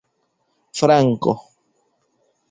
franko